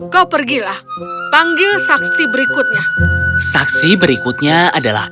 kau pergilah panggil saksi berikutnya saksi berikutnya adalah